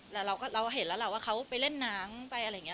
แต่เราก็เราเห็นแล้วล่ะว่าเขาไปเล่นหนังไปอะไรอย่างนี้